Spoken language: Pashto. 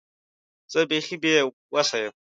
زه بیخي بې وسه یم .